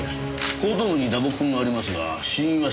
後頭部に打撲痕がありますが死因は失血死。